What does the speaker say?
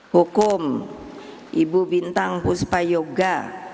hukum ibu bintang puspa yoga